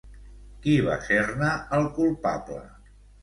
Qui va ser-ne el culpable?